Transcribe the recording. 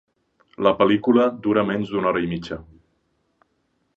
La pel·lícula dura menys d'una hora i mitja